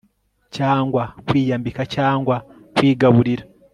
cyangwa kwiyambika cyangwa kwigaburira